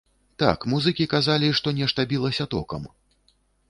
Так, музыкі казалі, што нешта білася токам.